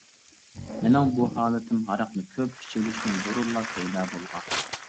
مېنىڭ بۇ ھالىتىم ھاراقنى كۆپ ئىچىۋېلىشتىن بۇرۇنلا پەيدا بولغان.